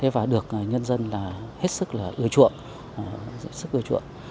và được nhân dân hết sức ưa chuộng